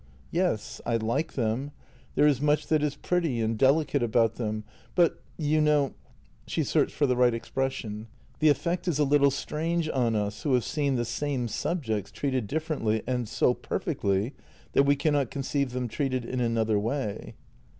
" Yes, I like them. There is much that is pretty' and delicate about them, but, you know "— she searched for the right ex pression —" the effect is a little strange on us, who have seen the same subjects treated differently and so perfectly, that we cannot conceive them treated in another way."